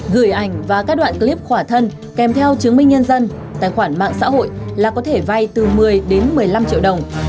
gửi ảnh và các đoạn clip khỏa thân kèm theo chứng minh nhân dân tài khoản mạng xã hội là có thể vay từ một mươi đến một mươi năm triệu đồng